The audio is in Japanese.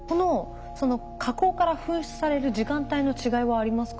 火口から噴出される時間帯の違いはありますか？